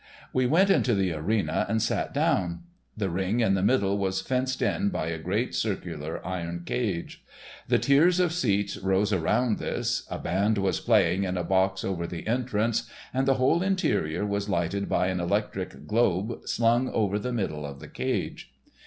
We went into the arena and sat down. The ring in the middle was fenced in by a great, circular, iron cage. The tiers of seats rose around this, a band was playing in a box over the entrance, and the whole interior was lighted by an electric globe slung over the middle of the cage.